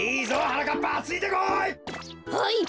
はい。